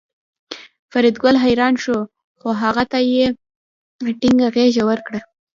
فریدګل حیران شو خو هغه ته یې ټینګه غېږه ورکړه